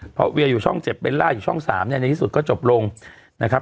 เพราะเวียอยู่ช่อง๗เบลล่าอยู่ช่อง๓เนี่ยในที่สุดก็จบลงนะครับ